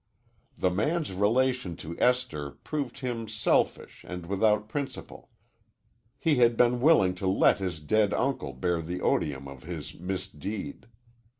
The man's relation to Esther proved him selfish and without principle. He had been willing to let his dead uncle bear the odium of his misdeed.